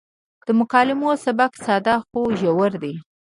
د مکالمو سبک ساده خو ژور دی.